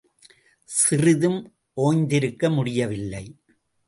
சிறிதும் ஓய்திருக்க முடியவில்லை.